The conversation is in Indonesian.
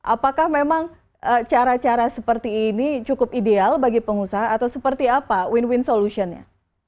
apakah memang cara cara seperti ini cukup ideal bagi pengusaha atau seperti apa win win solutionnya